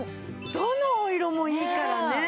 どのお色もいいからね。